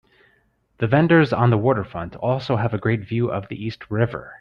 The vendors on the waterfront also have a great view of the East River.